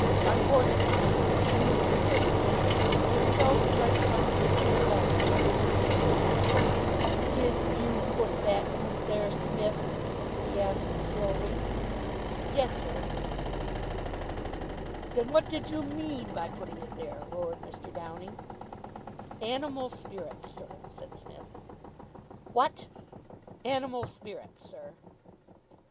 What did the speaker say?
Unfortunately, he used the sooty hand, and the result was like some gruesome burlesque of a nigger minstrel. "Did you put that boot there, Smith?" he asked slowly. [Illustration: "DID YOU PUT THAT BOOT THERE, SMITH?"] "Yes, sir." "Then what did you MEAN by putting it there?" roared Mr. Downing. "Animal spirits, sir," said Psmith. "WHAT!" "Animal spirits, sir."